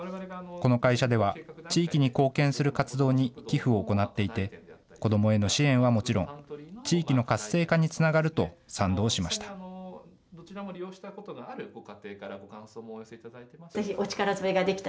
この会社では、地域に貢献する活動に寄付を行っていて、子どもへの支援はもちろん、地域の活性化につながると賛同しました。